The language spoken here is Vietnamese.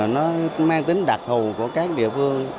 nó mang tính đặc hù của các địa phương